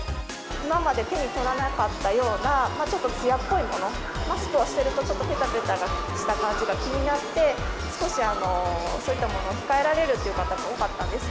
今まで手に取らなかったような、ちょっとつやっぽいもの、マスクをしてると、ぺたぺたした感じが気になって、少しそういったものを控えられるっていう方が多かったんです